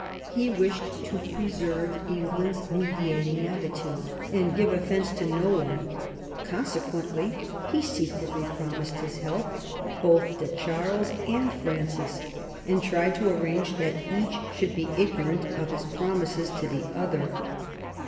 He wished to preserve England's mediating attitude and give offence to no one; consequently, he secretly promised his help both to Charles and Francis, and tried to arrange that each should be ignorant of his promises to the other.